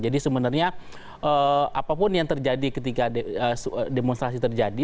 jadi sebenarnya apapun yang terjadi ketika demonstrasi terjadi